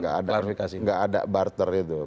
gak ada barter itu